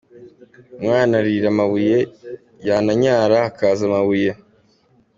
Umwana arira amabuye, yananyara hakaza amabuye.